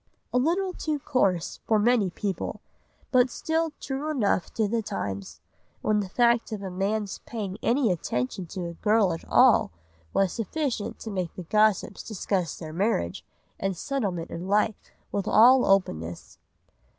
A little too coarse for many people, but still true enough to the times, when the fact of a man's paying any attention to a girl at all was sufficient to make the gossips discuss their marriage and settlement in life with all openness.